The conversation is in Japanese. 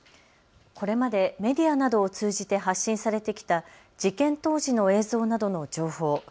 これまでメディアなどを通じて発信されてきた事件当時の映像などの情報。